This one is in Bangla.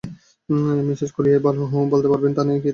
মিসেস কলিয়ারই ভালো বলতে পারবেন, থানায় গিয়ে দেখে আসতে হবে তাঁকে।